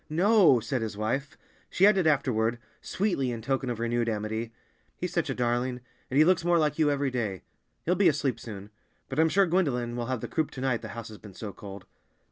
"No," said his wife. She added afterward, sweetly in token of renewed amity, "He's such a darling, and he looks more like you every day. He'll be asleep soon. But I'm sure Gwendolen will have the croup to night, the house has been so cold."